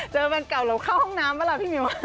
เจอแฟนเก่าแล้วเข้าห้องน้ำป่ะล่ะพี่มิว